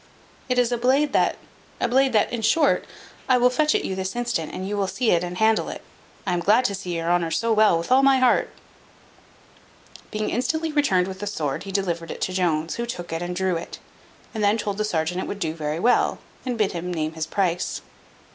It is a blade that a blade that in short, I will fetch it you this instant, and you shall see it and handle it. I am glad to see your honour so well with all my heart." Being instantly returned with the sword, he delivered it to Jones, who took it and drew it; and then told the serjeant it would do very well, and bid him name his price.